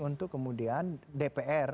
untuk kemudian dpr